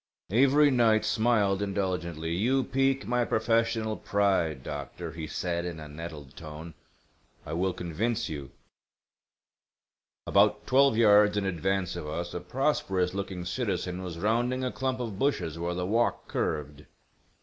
Avery Knight smiled indulgently. "You pique my professional pride, doctor," he said in a nettled tone. "I will convince you." About twelve yards in advance of us a prosperous looking citizen was rounding a clump of bushes where the walk curved.